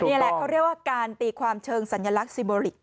นี่แหละเขาเรียกว่าการตีความเชิงสัญลักษณ์ซีโบริก